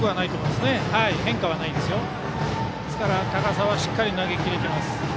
ですから、高さはしっかり投げ切れています。